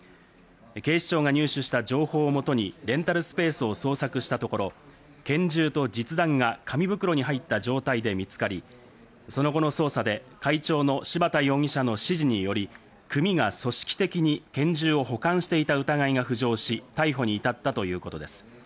警視庁が入手した情報を基に、レンタルスペースを捜索したところ、拳銃と実弾が紙袋に入った状態で見つかり、その後の捜査で、会長の柴田容疑者の指示により、組が組織的に拳銃を保管していた疑いが浮上し、逮捕に至ったということです。